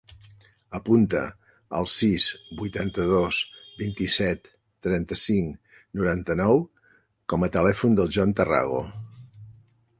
Apunta el sis, vuitanta-dos, vint-i-set, trenta-cinc, noranta-nou com a telèfon del John Tarrago.